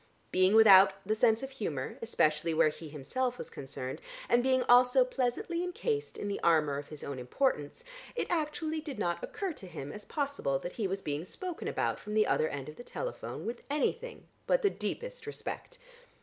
Being without the sense of humour, especially where he himself was concerned, and being also pleasantly encased in the armour of his own importance, it actually did not occur to him as possible that he was being spoken about from the other end of the telephone with anything but the deepest respect.